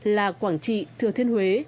là quảng trị thừa thiên huế